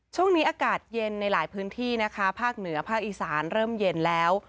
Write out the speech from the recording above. ช่วงนี้อากาศเย็นในหลายพื้นที่นะคะภาคเหนือภาคอีสานเริ่มเย็นแล้ว